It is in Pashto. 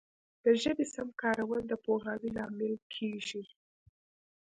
د ژبي سم کارول د پوهاوي لامل کیږي.